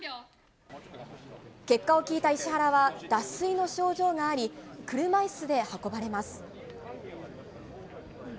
結果を聞いた石原は脱水の症状があり、車いすで運ばれます。